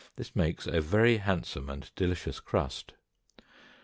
This makes a very handsome and delicious crust.